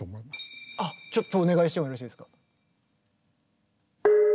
あっちょっとお願いしてもよろしいですか？